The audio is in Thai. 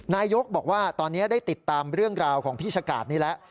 นายกบอกว่าตอนนี้ได้ติดตามเรื่องราวของพี่ชะกาดนี้แล้ว